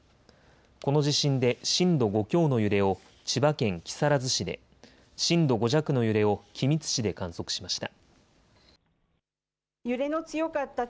この地震で震度５強の揺れを千葉県木更津市で、震度５弱の揺れを君津市で観測しました。